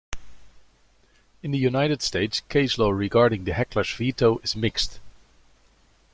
In the United States, case law regarding the heckler's veto is mixed.